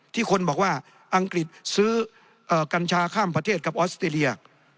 ที่คนบอกว่าอังกฤษซื้อกัญชาข้ามประเทศกับออสเตรเลีย